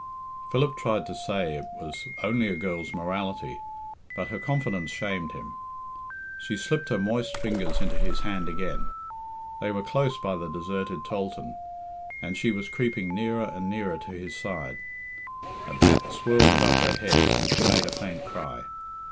Philip tried to say it was only a girl's morality, but her confidence shamed him. She slipped her moist fingers into his hand again. They were close by the deserted tholthan, and she was creeping nearer and nearer to his side. A bat swirled above their heads and she made a faint cry.